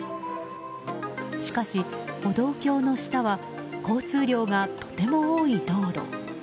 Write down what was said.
しかし、歩道橋の下は交通量がとても多い道路。